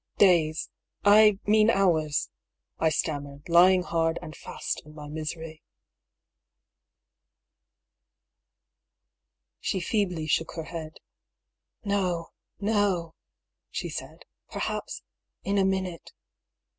" Days — I mean hours," I stammered, lying hard and fast in my misery. She feebly shook her head. " No, no !" she said ;" perhaps in a minute.